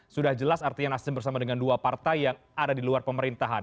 sudah jelas artinya nasdem bersama dengan dua partai yang ada di luar pemerintahan